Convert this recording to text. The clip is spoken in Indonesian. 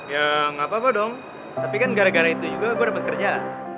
ya gak apa apa dong tapi kan gara gara itu juga gue dapat kerja